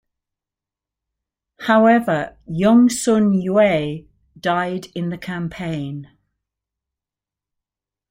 However, Gongsun Yue died in the campaign.